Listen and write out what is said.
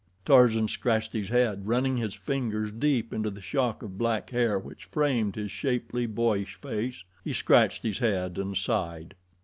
Tarzan scratched his head, running his fingers deep into the shock of black hair which framed his shapely, boyish face he scratched his head and sighed.